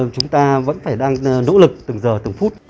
chúng ta vẫn phải đang nỗ lực từng giờ từng phút